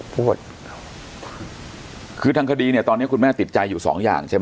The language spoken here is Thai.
พูดคือทางคดีเนี่ยตอนเนี้ยคุณแม่ติดใจอยู่สองอย่างใช่ไหม